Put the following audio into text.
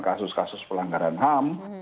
kasus kasus pelanggaran ham